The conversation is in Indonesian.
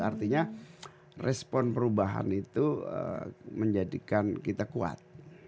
artinya respon perubahan itu menjadikan kita kuat